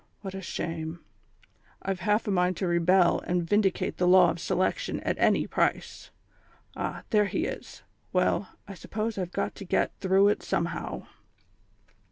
What a shame! I've half a mind to rebel, and vindicate the Law of Selection at any price. Ah, there he is. Well, I suppose I've got to get through it somehow."